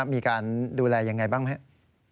มีการดูแลอย่างไรบ้างไหมฮะ